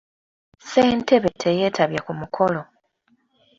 Ssentebe teyetabye ku mukolo.